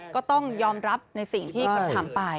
ก็ต้องยอมรับในสิ่งที่คุณทำไป